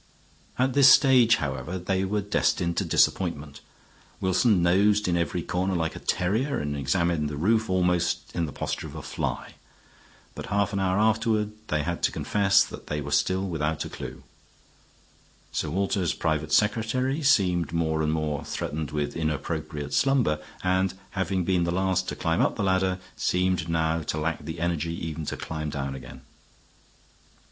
At this stage, however, they were destined to disappointment; Wilson nosed in every corner like a terrier and examined the roof almost in the posture of a fly, but half an hour afterward they had to confess that they were still without a clew. Sir Walter's private secretary seemed more and more threatened with inappropriate slumber, and, having been the last to climb up the ladder, seemed now to lack the energy even to climb down again.